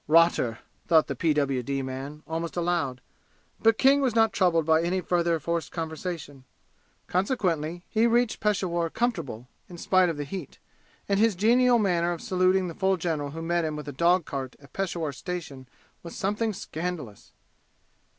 "Rotter!" thought the P.W.D. man, almost aloud; but King was not troubled by any further forced conversation. Consequently he reached Peshawur comfortable, in spite of the heat. And his genial manner of saluting the full general who met him with a dog cart at Peshawur station was something scandalous.